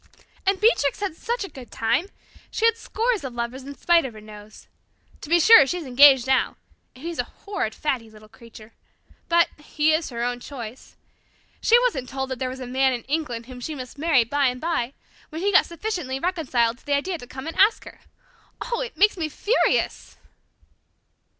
And Beatrix had such a good time! She had scores of lovers in spite of her nose. To be sure, she's engaged now and he's a horrid, faddy little creature. But he is her own choice. She wasn't told that there was a man in England whom she must marry by and by, when he got sufficiently reconciled to the idea to come and ask her. Oh, it makes me furious!"